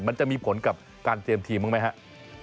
มันจะมีผลกับการเตรียมทีมบ้างไหมครับ